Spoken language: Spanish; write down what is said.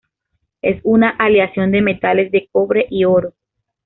Es una aleación de metales de cobre y oro.